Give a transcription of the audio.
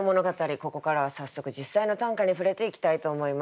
ここからは早速実際の短歌に触れていきたいと思います。